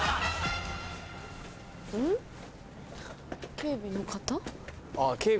警備の方？